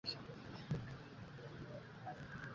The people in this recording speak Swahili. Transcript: Kulishia mifugo katika maeneo yenye kupe wengi